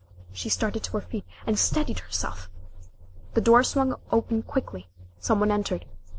She started to her feet, and steadied herself! The door swung open quickly some one entered.